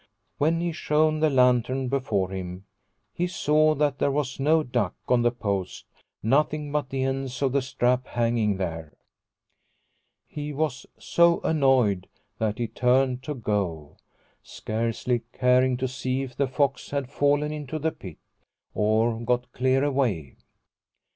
When he shone the lantern before him he saw that there was no duck on the post, nothing but the ends of the strap hanging there. He was so annoyed that he turned to go, scarcely caring to see if the fox had fallen into the pit or got clear away.